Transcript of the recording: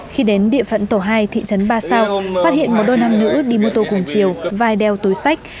khi đến địa phận tổ hai thị trấn ba sao phát hiện một đôi nam nữ đi mô tô cùng chiều vai đeo túi sách